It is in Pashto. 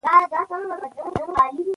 ماشومان د خوب او خوراک وخت ته پابند دي.